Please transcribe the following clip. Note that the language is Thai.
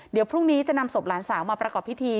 เดี๋ยวพรุ่งนี้จะนำศพหลานสาวมาประกอบพิธี